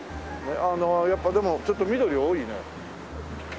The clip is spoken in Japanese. あのやっぱでもちょっと緑が多いね。